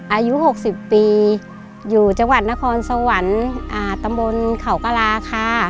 อายุ๖๐ปีอยู่จังหวัดนครสวรรค์ตำบลเขากระลาค่ะ